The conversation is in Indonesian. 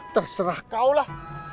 terserah kau lah